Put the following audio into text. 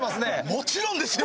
もちろんですよ！